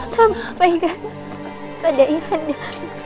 sampaikan pada yadam